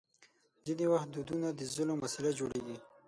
ځینې وخت دودونه د ظلم وسیله جوړېږي.